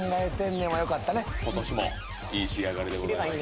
ことしもいい仕上がりでございます。